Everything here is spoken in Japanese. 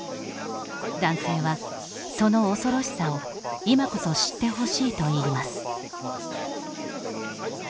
男性はその恐ろしさを今こそ知ってほしいといいます。